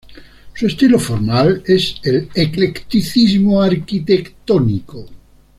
Su estilo formal es el eclecticismo arquitectónico.